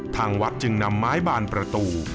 ทางวัดจึงนำไม้บานประตู